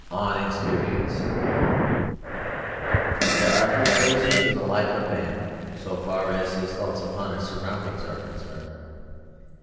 ON EXPERIENCE There are three phases in the life of man, so far as his thoughts upon his surroundings are concerned.